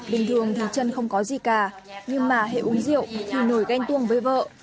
bình thường thì chân không có gì cả nhưng mà hệ uống rượu thì nổi ghen tuông với vợ